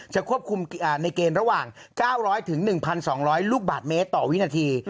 ควบคุมในเกณฑ์ระหว่าง๙๐๐๑๒๐๐ลูกบาทเมตรต่อวินาที